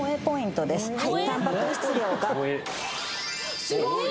たんぱく質量がすごい！